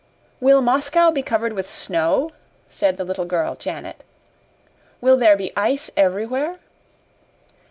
"Will Moscow be covered with snow?" said the little girl Janet. "Will there be ice everywhere?"